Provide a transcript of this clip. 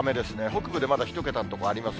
北部でまだ１桁の所あります。